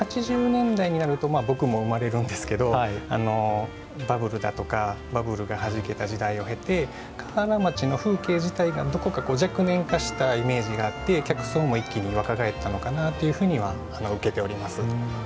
８０年代になると僕も生まれるんですけどバブルだとかバブルがはじけた時代を経て河原町の風景自体がどこか若年化したイメージがあって客層も一気に若返ったのかなというふうには受けております。